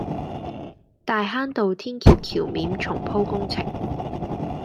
大坑道天橋橋面重鋪工程